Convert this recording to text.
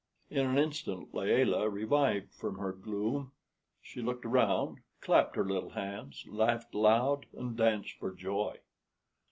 In an instant Layelah revived from her gloom. She looked around, clapped her little hands, laughed aloud, and danced for joy.